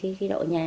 không có cái độ nhà